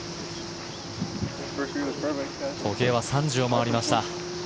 時計は３時を回りました。